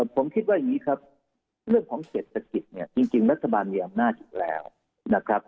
ผมคิดว่าอย่างนี้ครับเรื่องของเศรษฐกิจเนี่ยจริงรัฐบาลมีอำนาจอยู่แล้วนะครับ